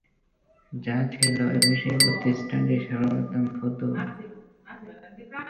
যা ছিল এ বিষয়ে প্রতিষ্ঠানটির সর্বপ্রথম ফতোয়া।